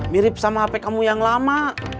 mirip sama hp kamu yang lama